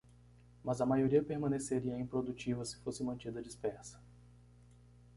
Mas a maioria permaneceria improdutiva se fosse mantida dispersa.